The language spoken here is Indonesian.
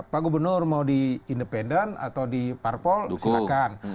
pak gubernur mau di independen atau di parpol silakan